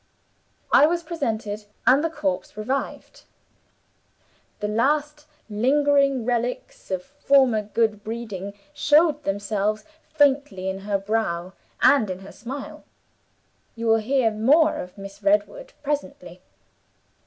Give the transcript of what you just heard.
I was presented, and the corpse revived. The last lingering relics of former good breeding showed themselves faintly in her brow and in her smile. You will hear more of Miss Redwood presently.